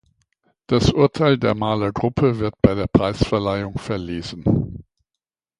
Das Urteil der Marler Gruppe wird bei der Preisverleihung verlesen.